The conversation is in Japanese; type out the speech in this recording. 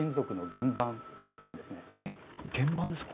原盤ですか？